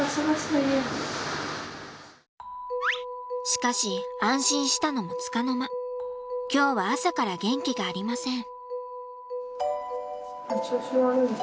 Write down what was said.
しかし安心したのも束の間今日は朝から元気がありません。